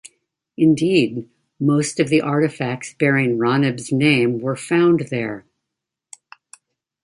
Indeed, most of the artifacts bearing Raneb's name were found there.